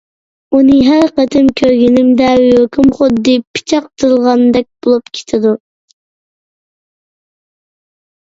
ئۇنى ھەر قېتىم كۆرگىنىمدە يۈرىكىم خۇددى پىچاق تىلغاندەك بولۇپ كېتىدۇ.